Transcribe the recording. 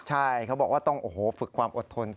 ใช่เขาบอกว่าต้องโอ้โหฝึกความอดทน